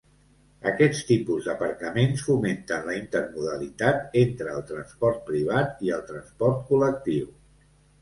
Aquest tipus d'aparcaments fomenten la intermodalitat entre el transport privat i el transport col·lectiu.